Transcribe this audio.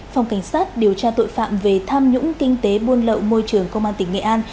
phòng cảnh sát điều tra tội phạm về tham nhũng kinh tế buôn lậu môi trường công an tỉnh nghệ an